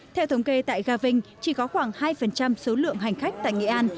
theo thống kê tại gà vinh chỉ có khoảng hai số lượng hành khách tại nghệ an